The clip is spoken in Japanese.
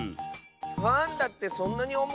パンダってそんなにおもいの？